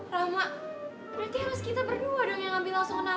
rama berarti harus kita berdua dong yang ambil langsung